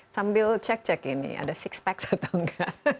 sambil cek cek ini ada six pack atau enggak